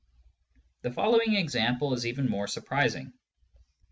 The following example is even more surprising.